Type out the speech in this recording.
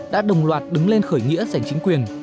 đã đồng loạt đứng lên khởi nghĩa giành chính quyền